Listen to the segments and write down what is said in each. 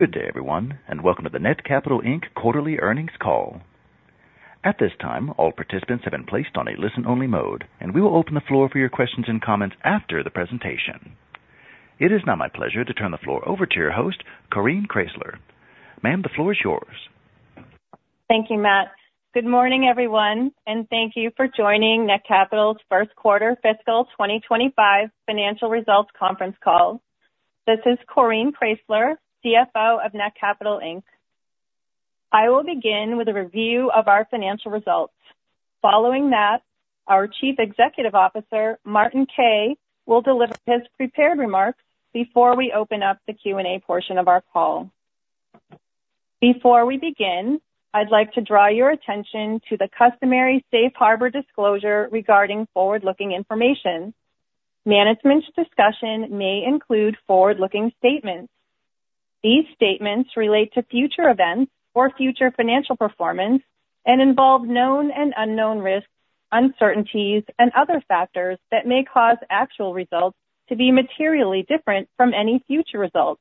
Good day, everyone, and welcome to the Netcapital Inc. quarterly earnings call. At this time, all participants have been placed on a listen-only mode, and we will open the floor for your questions and comments after the presentation. It is now my pleasure to turn the floor over to your host, Coreen Kraysler. Ma'am, the floor is yours. Thank you, Matt. Good morning, everyone, and thank you for joining Netcapital's first quarter fiscal twenty twenty-five financial results conference call. This is Coreen Kraysler, CFO of Netcapital Inc. I will begin with a review of our financial results. Following that, our Chief Executive Officer, Martin Kay, will deliver his prepared remarks before we open up the Q&A portion of our call. Before we begin, I'd like to draw your attention to the customary safe harbor disclosure regarding forward-looking information. Management's discussion may include forward-looking statements. These statements relate to future events or future financial performance and involve known and unknown risks, uncertainties, and other factors that may cause actual results to be materially different from any future results,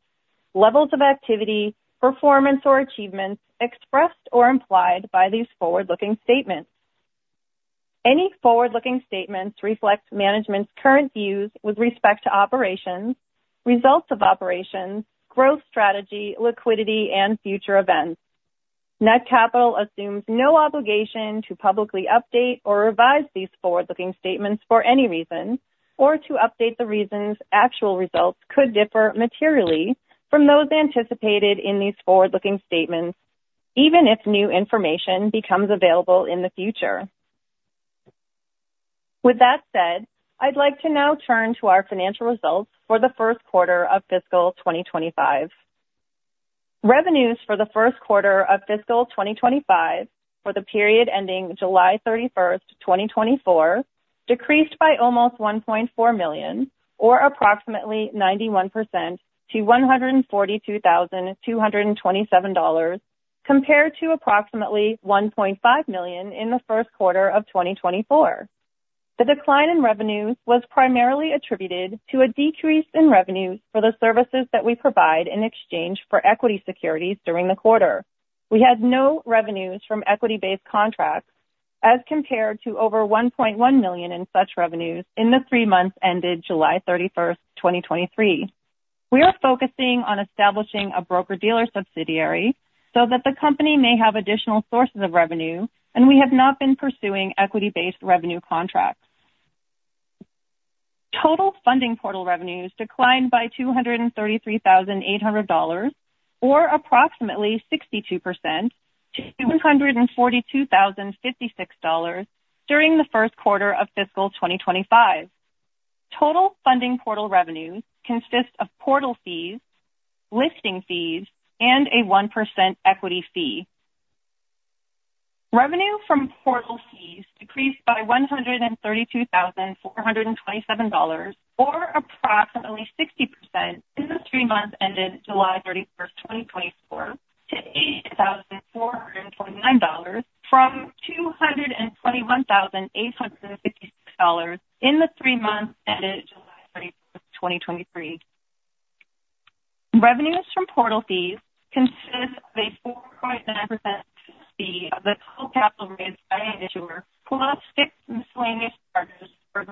levels of activity, performance, or achievements expressed or implied by these forward-looking statements. Any forward-looking statements reflect management's current views with respect to operations, results of operations, growth strategy, liquidity, and future events. Netcapital assumes no obligation to publicly update or revise these forward-looking statements for any reason or to update the reasons actual results could differ materially from those anticipated in these forward-looking statements, even if new information becomes available in the future. With that said, I'd like to now turn to our financial results for the first quarter of fiscal 2025. Revenues for the first quarter of fiscal 2025, for the period ending July 31, 2024, decreased by almost $1.4 million, or approximately 91% to $142,227, compared to approximately $1.5 million in the first quarter of 2024. The decline in revenues was primarily attributed to a decrease in revenues for the services that we provide in exchange for equity securities during the quarter. We had no revenues from equity-based contracts as compared to over $1.1 million in such revenues in the three months ended July thirty-first, 2023. We are focusing on establishing a broker-dealer subsidiary so that the company may have additional sources of revenue, and we have not been pursuing equity-based revenue contracts. Total funding portal revenues declined by $233,800, or approximately 62% to $142,056 during the first quarter of fiscal 2025. Total funding portal revenues consist of portal fees, listing fees, and a 1% equity fee. Revenue from portal fees decreased by $132,427, or approximately 60% in the three months ended July 31, 2024, to $80,429 from $221,856 in the three months ended July 31, 2023. Revenues from portal fees consist of a 4.9% fee of the total capital raised by an issuer, plus six miscellaneous charges for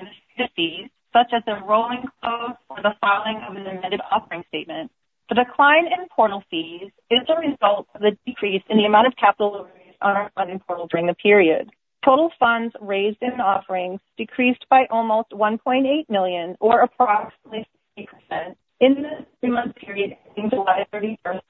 fees, such as [rolling closes] for the filing of an amended offering statement. The decline in portal fees is a result of the decrease in the amount of capital raised on our funding portal during the period. Total funds raised in the offerings decreased by almost $1.8 million, or approximately 60% in the three-month period ending July 31st,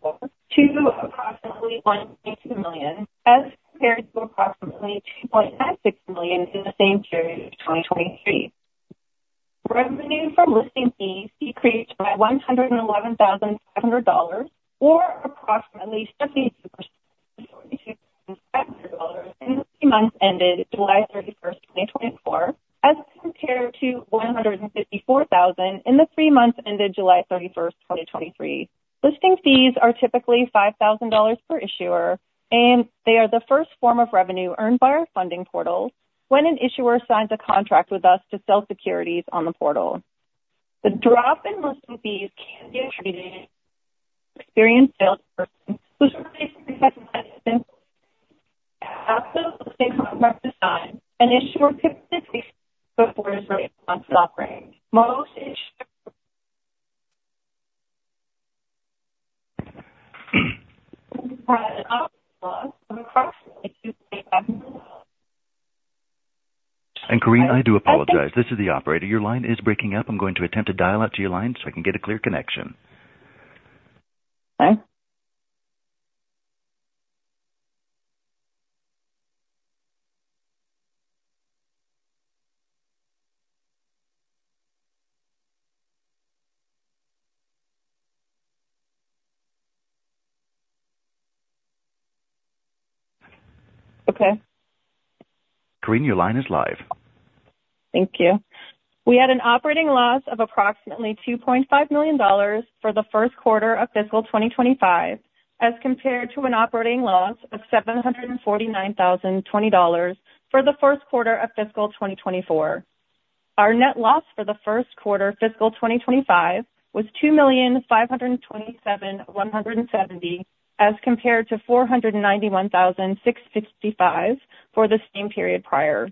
2024, to approximately $1.2 million, as compared to approximately $2.96 million in the same period of 2023. Revenue from listing fees decreased by $111,700, or approximately 52% to $52,700 in the three months ended July 31st, 2024, as compared to $154,000 in the three months ended July 31st, 2023. Listing fees are typically $5,000 per issuer, and they are the first form of revenue earned by our funding portal when an issuer signs a contract with us to sell securities on the portal. The drop in listing fees can be attributed to experienced salesperson whose relations have been. An issuer before his response to the offering. Most issuers- Coreen, I do apologize. This is the operator. Your line is breaking up. I'm going to attempt to dial out to your line so I can get a clear connection. Okay. Okay. Coreen, your line is live. Thank you. We had an operating loss of approximately $2.5 million for the first quarter of fiscal 2025, as compared to an operating loss of $749,020 for the first quarter of fiscal 2024. Our net loss for the first quarter fiscal 2025 was $2,527,170, as compared to $491,665 for the same period prior.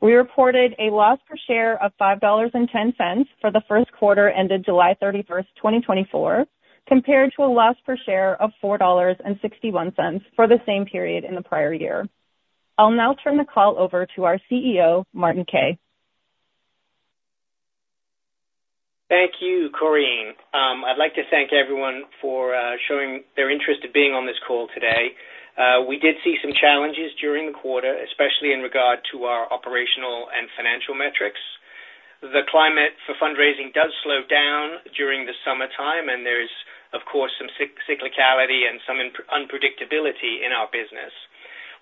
We reported a loss per share of $5.10 for the first quarter ended July thirty-first, 2024, compared to a loss per share of $4.61 for the same period in the prior year. I'll now turn the call over to our CEO, Martin Kay. Thank you, Coreen. I'd like to thank everyone for showing their interest in being on this call today. We did see some challenges during the quarter, especially in regard to our operational and financial metrics. The climate for fundraising does slow down during the summertime, and there is, of course, some cyclicality and some unpredictability in our business.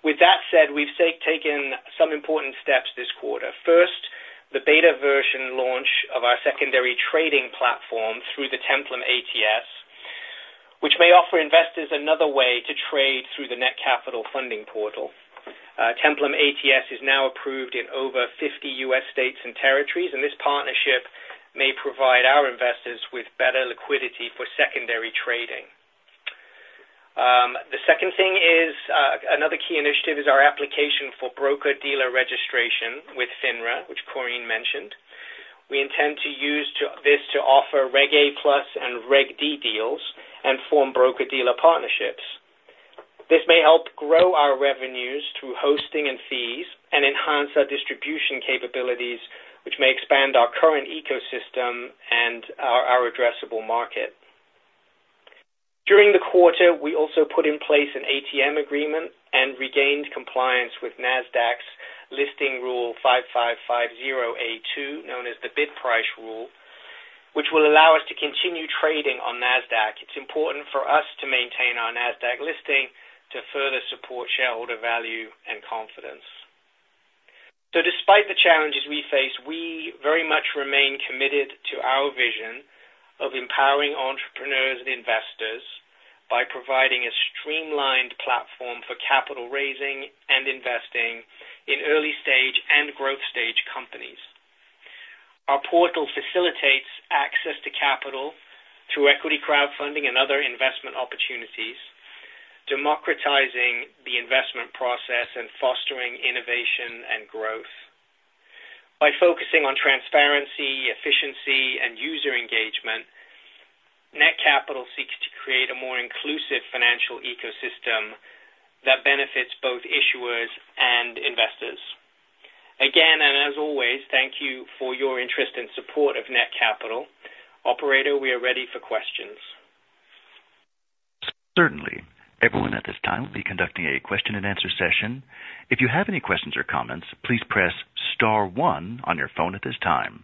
With that said, we've taken some important steps this quarter. First, the beta version launch of our secondary trading platform through the Templum ATS, which may offer investors another way to trade through the Netcapital Funding Portal. Templum ATS is now approved in over fifty U.S. states and territories, and this partnership may provide our investors with better liquidity for secondary trading. The second thing is, another key initiative is our application for broker-dealer registration with FINRA, which Coreen mentioned. We intend to use this to offer Reg A+ and Reg D deals and form broker-dealer partnerships. This may help grow our revenues through hosting and fees and enhance our distribution capabilities, which may expand our current ecosystem and our addressable market. During the quarter, we also put in place an ATM agreement and regained compliance with Nasdaq's listing Rule 5550(a)(2), known as the Bid Price Rule, which will allow us to continue trading on Nasdaq. It's important for us to maintain our Nasdaq listing to further support shareholder value and confidence. So despite the challenges we face, we very much remain committed to our vision of empowering entrepreneurs and investors by providing a streamlined platform for capital raising and investing in early-stage and growth-stage companies. Our portal facilitates access to capital through equity, crowdfunding, and other investment opportunities, democratizing the investment process and fostering innovation and growth. By focusing on transparency, efficiency, and user engagement, Netcapital seeks to create a more inclusive financial ecosystem that benefits both issuers and investors. Again, and as always, thank you for your interest and support of Netcapital. Operator, we are ready for questions. Certainly. Everyone at this time, we'll be conducting a question-and-answer session. If you have any questions or comments, please press star one on your phone at this time.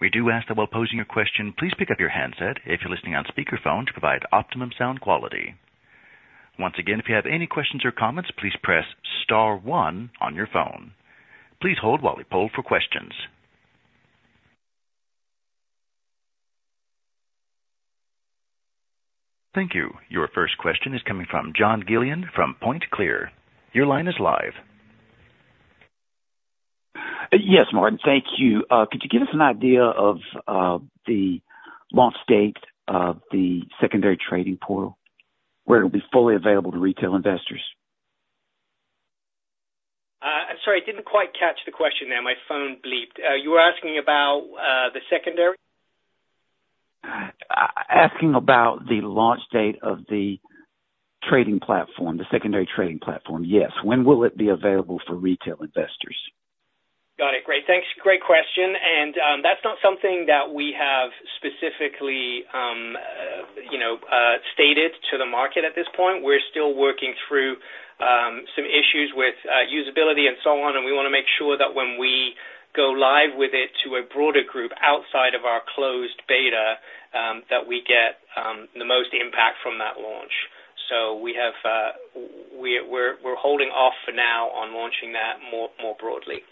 We do ask that while posing your question, please pick up your handset if you're listening on speakerphone, to provide optimum sound quality. Once again, if you have any questions or comments, please press star one on your phone. Please hold while we poll for questions. Thank you. Your first question is coming from John Gillon from PointClear. Your line is live. Yes, Martin, thank you. Could you give us an idea of the launch date of the secondary trading portal, where it'll be fully available to retail investors? I'm sorry, I didn't quite catch the question there. My phone bleeped. You were asking about the secondary? Asking about the launch date of the trading platform, the secondary trading platform, yes. When will it be available for retail investors? Got it. Great, thanks. Great question, and that's not something that we have specifically, you know, stated to the market at this point. We're still working through some issues with usability and so on, and we wanna make sure that when we go live with it to a broader group outside of our closed beta, that we get the most impact from that launch. So we have... We're holding off for now on launching that more broadly.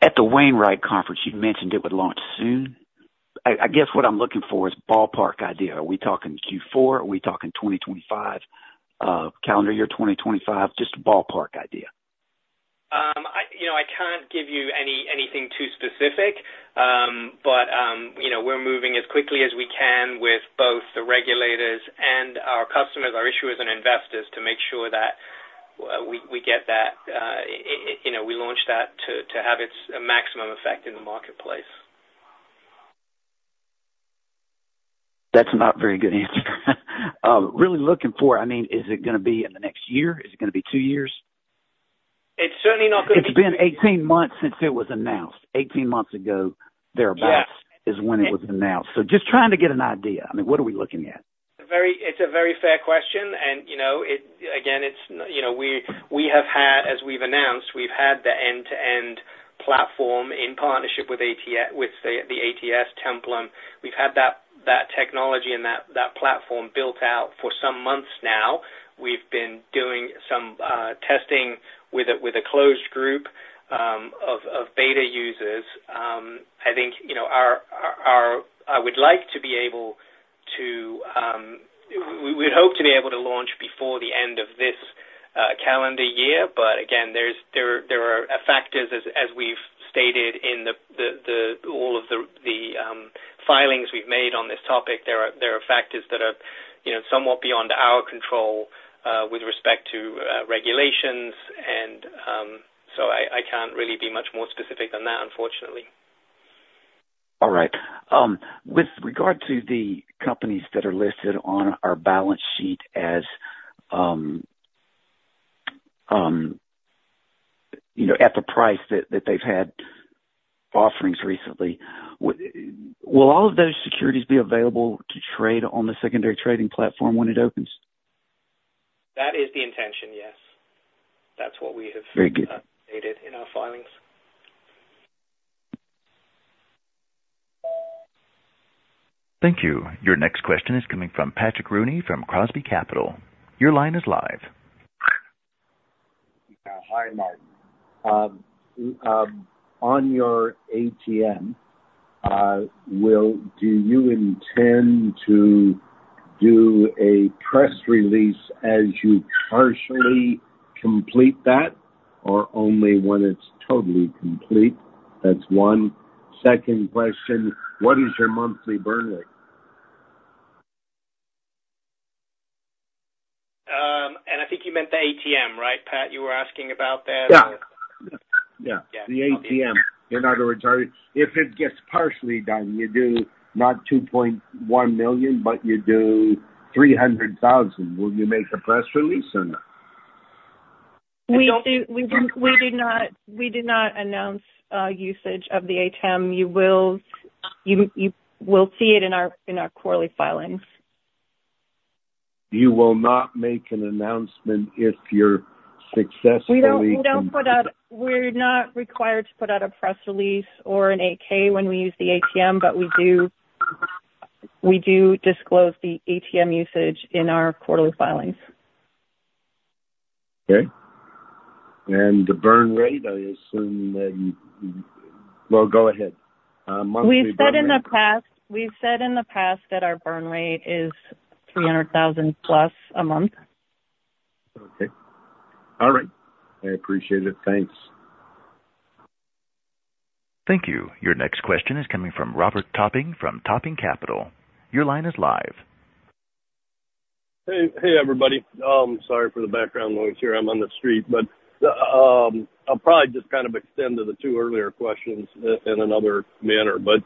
At the Wainwright conference, you mentioned it would launch soon. I guess what I'm looking for is ballpark idea. Are we talking Q4? Are we talking twenty twenty-five, calendar year twenty twenty-five? Just a ballpark idea. You know, I can't give you anything too specific. But, you know, we're moving as quickly as we can with both the regulators and our customers, our issuers and investors, to make sure that we get that, you know, we launch that to have its maximum effect in the marketplace. That's not a very good answer. Really looking for, I mean, is it gonna be in the next year? Is it gonna be two years? It's certainly not gonna- It's been eighteen months since it was announced. Eighteen months ago, thereabout- Yeah is when it was announced. So just trying to get an idea. I mean, what are we looking at? It's a very fair question, and, you know, it. Again, it's, you know, we have had, as we've announced, the end-to-end platform in partnership with the ATS Templum. We've had that technology and that platform built out for some months now. We've been doing some testing with a closed group of beta users. I think, you know, we'd hope to be able to launch before the end of this calendar year. But again, there are factors as we've stated in all of the filings we've made on this topic. There are factors that are, you know, somewhat beyond our control with respect to regulations. I can't really be much more specific than that, unfortunately. All right. With regard to the companies that are listed on our balance sheet as, you know, at the price that they've had offerings recently, will all of those securities be available to trade on the secondary trading platform when it opens? That is the intention, yes. That's what we have- Very good. Stated in our filings. Thank you. Your next question is coming from Patrick Rooney, from Crosby Capital. Your line is live. Hi, Martin. On your ATM, do you intend to do a press release as you partially complete that, or only when it's totally complete? That's one. Second question, what is your monthly burn rate? And I think you meant the ATM, right, Pat? You were asking about that. Yeah. Yeah. Yeah. The ATM. In other words, if it gets partially done, you do not $2.1 million, but you do $300,000. Will you make a press release or not? We did not announce usage of the ATM. You will see it in our quarterly filings. You will not make an announcement if you're successfully- We don't put out... We're not required to put out a press release or an 8-K when we use the ATM, but we do disclose the ATM usage in our quarterly filings. Okay. And the burn rate, I assume that you... Well, go ahead. Monthly burn rate. We've said in the past that our burn rate is $300,000+ a month. Okay. All right. I appreciate it. Thanks. Thank you. Your next question is coming from Robert Topping, from Topping Capital. Your line is live. Hey, hey, everybody. Sorry for the background noise here. I'm on the street. But I'll probably just kind of extend to the two earlier questions in another manner. But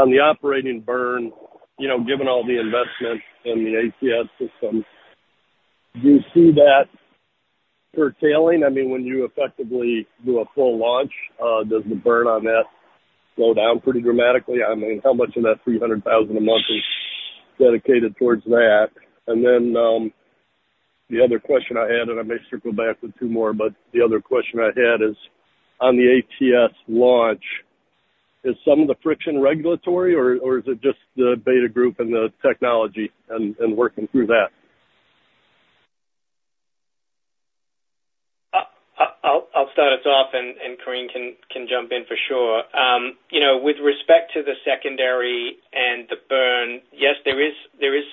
on the operating burn, you know, given all the investment in the ATS system, do you see that curtailing? I mean, when you effectively do a full launch, does the burn on that slow down pretty dramatically? I mean, how much of that $300,000 a month is dedicated towards that? And then, the other question I had, and I may circle back with two more, but the other question I had is: on the ATS launch, is some of the friction regulatory or, or is it just the beta group and the technology and, and working through that? I'll start us off and Coreen can jump in for sure. You know, with respect to the secondary and the burn, yes, there is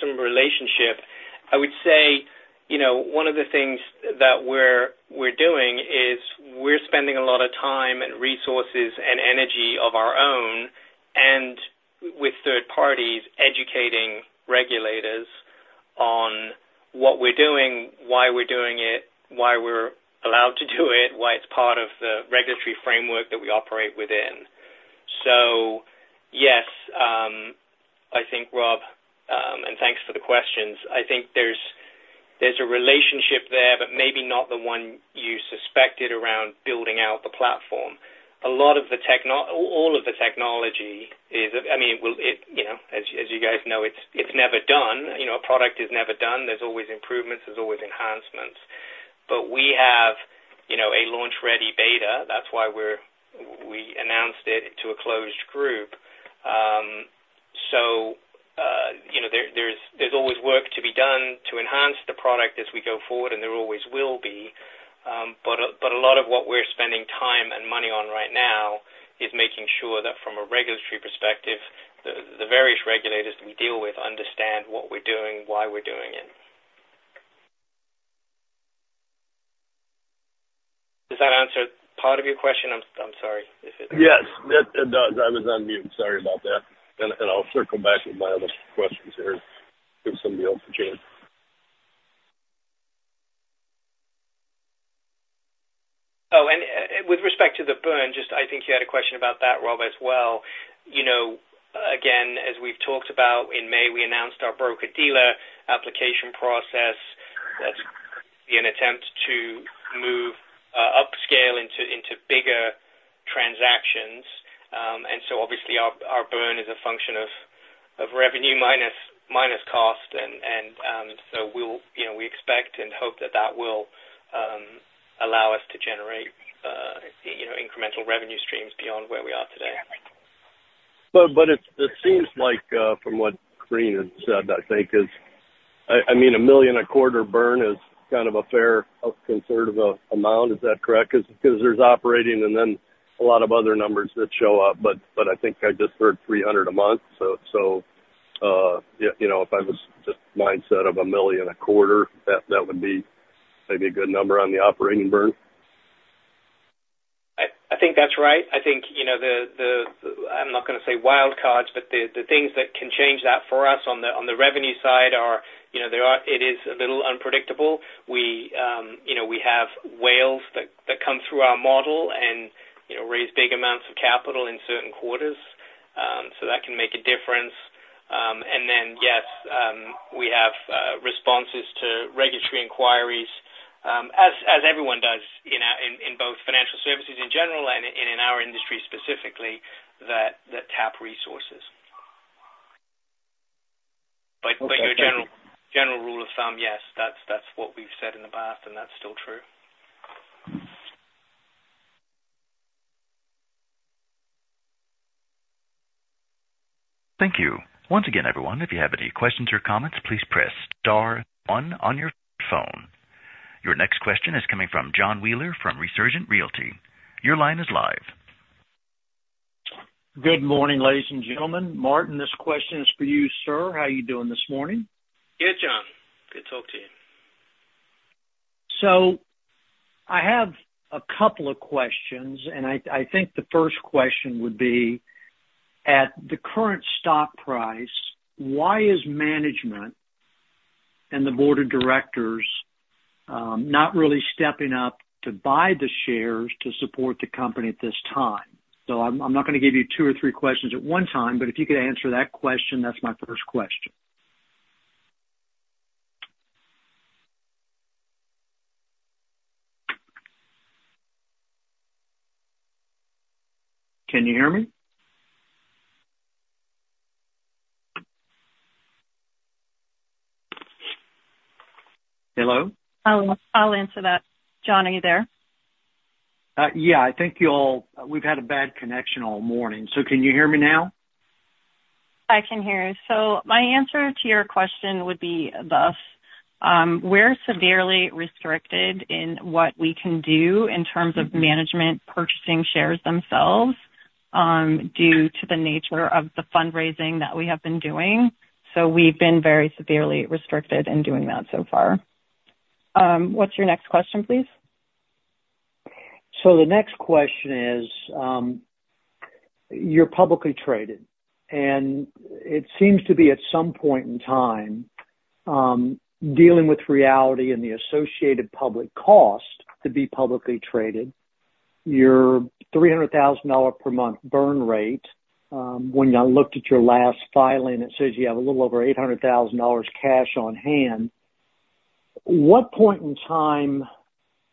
some relationship. I would say, you know, one of the things that we're doing is we're spending a lot of time and resources and energy of our own, and with third parties, educating regulators on what we're doing, why we're doing it, why we're allowed to do it, why it's part of the regulatory framework that we operate within. So yes, I think, Rob, and thanks for the questions. I think there's a relationship there, but maybe not the one you suspected around building out the platform. A lot of the technology is... I mean, well, it, you know, as you guys know, it's never done. You know, a product is never done. There's always improvements, there's always enhancements. But we have, you know, a launch-ready beta. That's why we announced it to a closed group. You know, there's always work to be done to enhance the product as we go forward, and there always will be. But a lot of what we're spending time and money on right now is making sure that from a regulatory perspective, the various regulators we deal with understand what we're doing, why we're doing it. Does that answer part of your question? I'm sorry if it- Yes, it does. I was on mute. Sorry about that. And I'll circle back with my other questions here. Give somebody else a chance. Oh, and with respect to the burn, just I think you had a question about that, Rob, as well. You know, again, as we've talked about, in May, we announced our broker-dealer application process. That's an attempt to move upscale into bigger transactions. And so obviously, our burn is a function of revenue minus cost. And so we'll... You know, we expect and hope that that will allow us to generate you know, incremental revenue streams beyond where we are today. But it seems like from what Coreen has said, I think, I mean, $1 million a quarter burn is kind of a fair conservative amount. Is that correct? Because there's operating and then a lot of other numbers that show up, but I think I just heard $300 a month. So yeah, you know, if I was just mindset of $1 million a quarter, that would be maybe a good number on the operating burn? ... I think that's right. I think, you know, I'm not gonna say wild cards, but the things that can change that for us on the revenue side are, you know, there are. It is a little unpredictable. We, you know, we have whales that come through our model and, you know, raise big amounts of capital in certain quarters. So that can make a difference. And then, yes, we have responses to regulatory inquiries, as everyone does in both financial services in general and in our industry specifically, that tap resources. But your general rule of thumb, yes, that's what we've said in the past, and that's still true. Thank you. Once again, everyone, if you have any questions or comments, please press star one on your phone. Your next question is coming from John Wheeler from Resurgent Realty. Your line is live. Good morning, ladies and gentlemen. Martin, this question is for you, sir. How are you doing this morning? Good, John. Good to talk to you. So I have a couple of questions, and I think the first question would be: at the current stock price, why is management and the board of directors not really stepping up to buy the shares to support the company at this time? So I'm not gonna give you two or three questions at one time, but if you could answer that question, that's my first question. Can you hear me? Hello? I'll answer that. John, are you there? Yeah, I think you all. We've had a bad connection all morning, so can you hear me now? I can hear you, so my answer to your question would be thus: we're severely restricted in what we can do in terms of management purchasing shares themselves, due to the nature of the fundraising that we have been doing, so we've been very severely restricted in doing that so far. What's your next question, please? So the next question is, you're publicly traded, and it seems to be, at some point in time, dealing with reality and the associated public cost to be publicly traded, your $300,000 per month burn rate. When I looked at your last filing, it says you have a little over $800,000 cash on hand. What point in time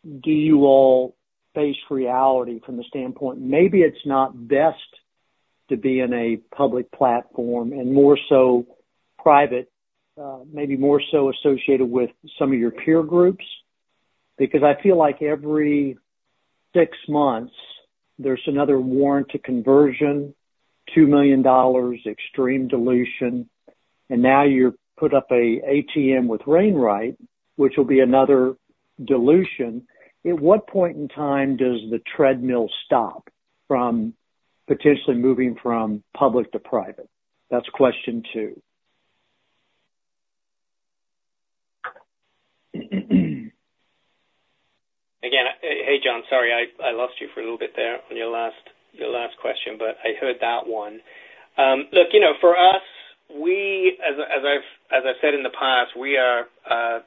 do you all face reality from the standpoint, maybe it's not best to be in a public platform and more so private, maybe more so associated with some of your peer groups? Because I feel like every six months there's another warrant to conversion, $2 million, extreme dilution, and now you've put up a ATM with Wainwright, which will be another dilution. At what point in time does the treadmill stop from potentially moving from public to private? That's question two. Again, hey, John, sorry, I lost you for a little bit there on your last question, but I heard that one. Look, you know, for us, we, as I've said in the past, we are 100%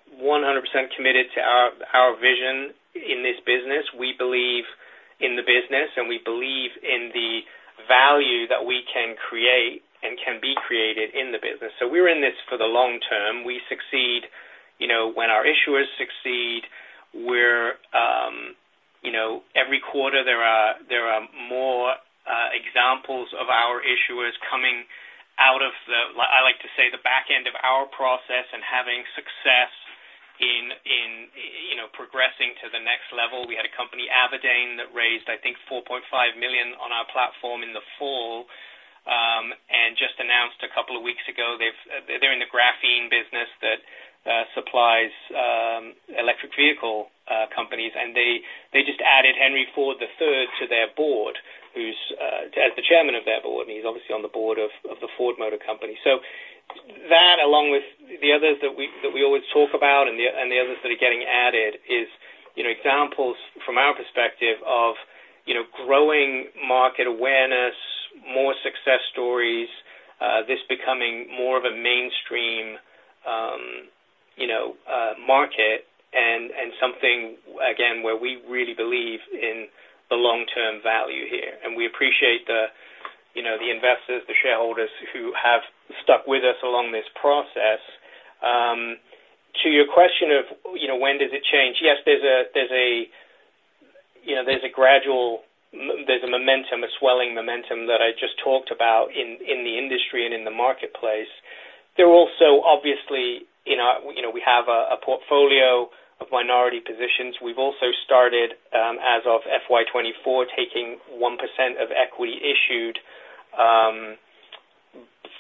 committed to our vision in this business. We believe in the business, and we believe in the value that we can create and can be created in the business. So we're in this for the long term. We succeed, you know, when our issuers succeed. We're, you know, every quarter there are more examples of our issuers coming out of the... I like to say, the back end of our process and having success in you know, progressing to the next level. We had a company, Avadain, that raised, I think, $4.5 million on our platform in the fall, and just announced a couple of weeks ago, they're in the graphene business that supplies electric vehicle companies, and they just added Henry Ford III to their board, who's as the chairman of their board, and he's obviously on the board of the Ford Motor Company. So that, along with the others that we, that we always talk about and the, and the others that are getting added is, you know, examples from our perspective of, you know, growing market awareness, more success stories, this becoming more of a mainstream, you know, market and, and something again, where we really believe in the long-term value here. And we appreciate the, you know, the investors, the shareholders who have stuck with us along this process. To your question of, you know, when does it change? Yes, there's a gradual momentum, a swelling momentum that I just talked about in the industry and in the marketplace. There are also, obviously, in our, you know, we have a portfolio of minority positions. We've also started, as of FY 2024, taking 1% of equity issued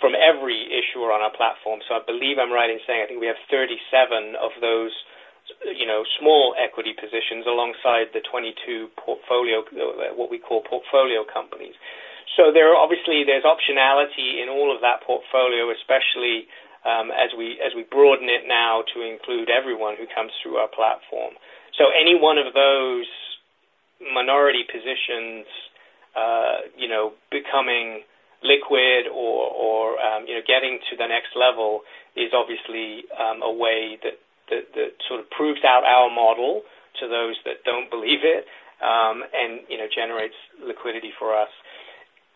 from every issuer on our platform. So I believe I'm right in saying, I think we have 37 of those, you know, small equity positions alongside the 22 portfolio, what we call portfolio companies. So there are obviously, there's optionality in all of that portfolio, especially as we broaden it now to include everyone who comes through our platform. So any one of those minority positions you know, becoming liquid or you know, getting to the next level is obviously a way that sort of proves out our model to those that don't believe it and you know, generates liquidity for us.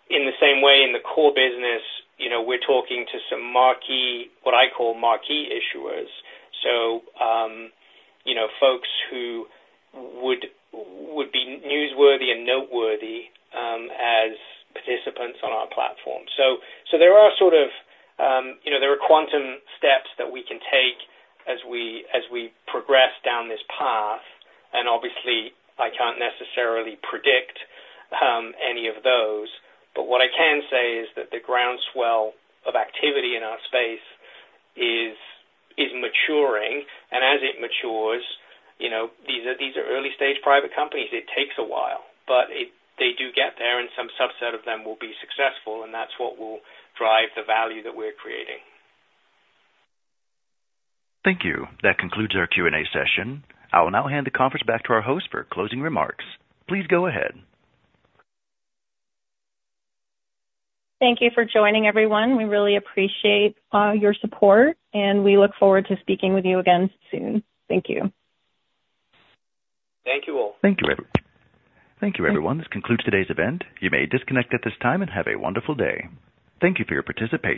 In the same way, in the core business you know, we're talking to some marquee, what I call marquee issuers. So you know, folks who would be newsworthy and noteworthy as participants on our platform. So there are sort of you know, there are quantum steps that we can take as we progress down this path. Obviously, I can't necessarily predict any of those, but what I can say is that the groundswell of activity in our space is maturing, and as it matures, you know, these are early-stage private companies. It takes a while, but they do get there, and some subset of them will be successful, and that's what will drive the value that we're creating. Thank you. That concludes our Q&A session. I will now hand the conference back to our host for closing remarks. Please go ahead. Thank you for joining, everyone. We really appreciate your support, and we look forward to speaking with you again soon. Thank you. Thank you, all. Thank you, everyone. This concludes today's event. You may disconnect at this time and have a wonderful day. Thank you for your participation.